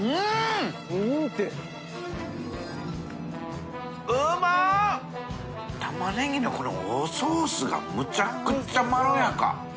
淵船礇鵝タマネギのこのおソースがむちゃくちゃまろやか。